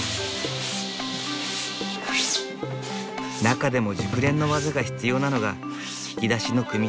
中でも熟練の技が必要なのが引き出しの組みつけ。